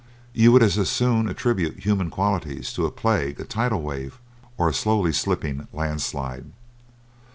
You would as soon attribute human qualities to a plague, a tidal wave, or a slowly slipping landslide.